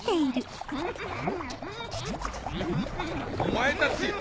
お前たち！